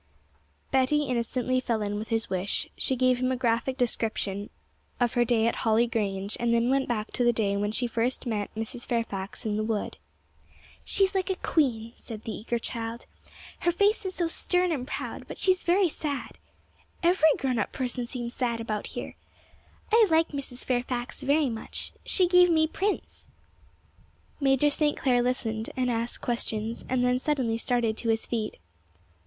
Betty innocently fell in with his wish; she gave him a graphic description of her day at Holly Grange, and then went back to the day when she first met Mrs. Fairfax in the wood. 'She's like a queen,' said the eager child; 'her face is so stern and proud, but she's very sad! Every grown up person seems sad about here! I like Mrs. Fairfax very much; she gave me Prince.' Major St. Clair listened, and asked questions, and then suddenly started to his feet.